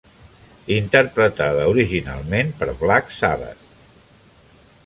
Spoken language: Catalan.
Interpretada originalment per Black Sabbath.